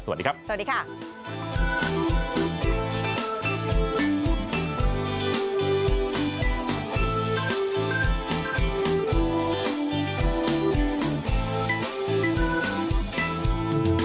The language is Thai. สวัสดีครับ